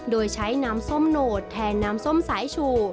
โดยใช้น้ำส้มโหนดแทนน้ำส้มสายชู